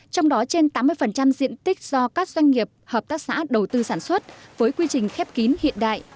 trong đó trên tám mươi diện tích do các doanh nghiệp hợp tác xã đầu tư sản xuất với quy trình khép kín hiện đại